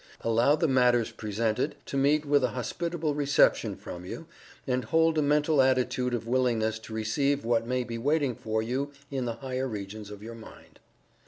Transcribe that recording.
Allow the matters presented to meet with a hospitable reception from you, and hold a mental attitude of willingness to receive what may be waiting for you in the higher regions of your mind.